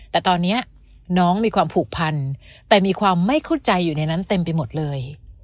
แต่ตอนนี้น้องมีความผูกพันแต่มีความไม่เข้าใจอยู่ในนั้นเต็มไปหมดเลย